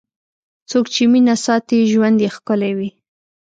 څوک چې مینه ساتي، ژوند یې ښکلی وي.